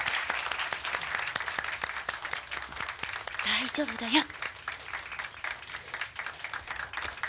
大丈夫だよ！